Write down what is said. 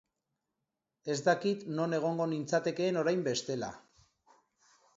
Ez dakit non egongo nintzatekeen orain bestela.